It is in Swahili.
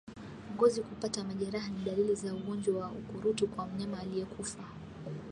Ngozi kupata majeraha ni dalili za ugonjwa wa ukurutu kwa mnyama aliyekufa